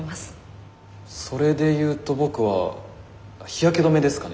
それで言うと僕は日焼け止めですかね。